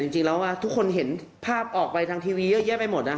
จริงที่คุณเห็นภาพออกทางทีวีเยอะแยะไปหมด